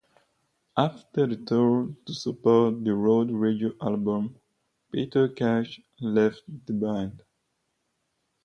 After the tour to support the Road Radio album, Peter Cash left the band.